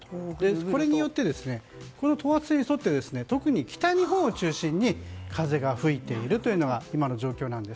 これによって等圧線に沿って特に北日本を中心に風が吹いているというのが今の状況なんです。